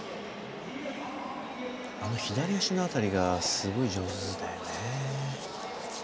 左足の辺りがすごい上手だよね。